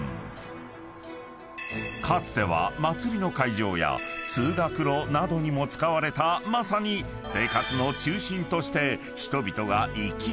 ［かつては祭りの会場や通学路などにも使われたまさに生活の中心として人々が行き交った場所］